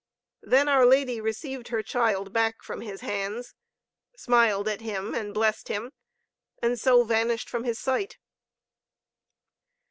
Then our Lady received her Child back from his hands, smiled at him and blessed him, and so vanished from his sight.